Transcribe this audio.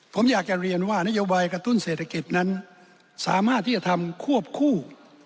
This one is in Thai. ผมอยากจะเรียนว่านโยบายกระตุ้นเศรษฐกิจนั้นสามารถที่จะทำควบคู่